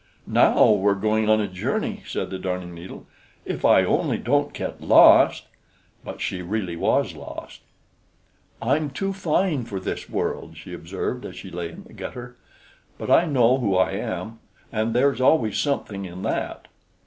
"Now we're going on a journey," said the Darning needle. "If I only don't get lost!" But she really was lost. "I'm too fine for this world," she observed, as she lay in the gutter. "But I know who I am, and there's always something in that!"